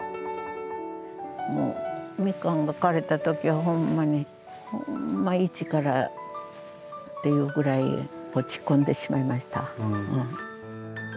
もうミカンが枯れた時はほんまにほんま一からっていうぐらいに落ち込んでしまいました。